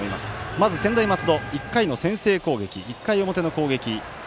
まず専大松戸１回の先制攻撃、１回表の攻撃。